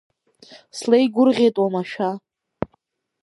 Слеигәырӷьеит уамашәа.